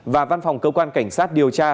và văn phòng cơ quan cảnh sát điều tra